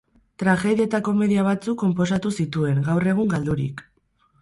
Tragedia eta komedia batzuk konposatu zituen, gaur egun galdurik.